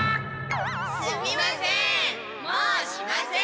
すみません！